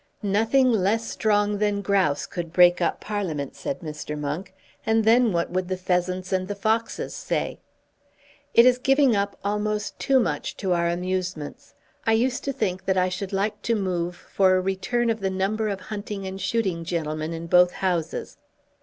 "Nothing less strong than grouse could break up Parliament," said Mr. Monk; "and then what would the pheasants and the foxes say?" "It is giving up almost too much to our amusements. I used to think that I should like to move for a return of the number of hunting and shooting gentlemen in both Houses.